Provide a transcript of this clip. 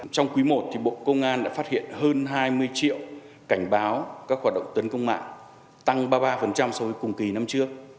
trong quý i bộ công an đã phát hiện hơn hai mươi triệu cảnh báo các hoạt động tấn công mạng tăng ba mươi ba so với cùng kỳ năm trước